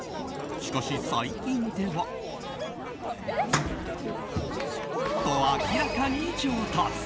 しかし、最近では。と、明らかに上達。